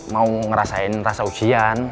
mau ngerasain rasa ujian